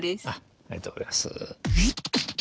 ありがとうございます。